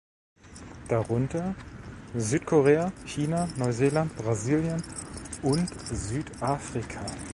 Darunter: Südkorea, China, Neuseeland, Brasilien und Südafrika.